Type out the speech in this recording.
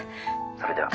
それでは。